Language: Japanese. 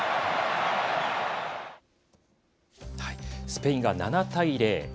スペインが７対０。